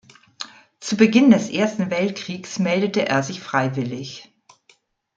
Zu Beginn des Ersten Weltkriegs meldete er sich freiwillig.